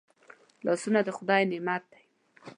لاسونه د خدای نعمت دی